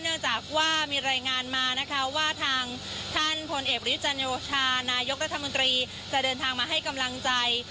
เนื่องจากว่ามีรายงานมานะคะว่าทางท่านพลเอกประยุจันโอชานายกรัฐมนตรีจะเดินทางมาให้กำลังใจ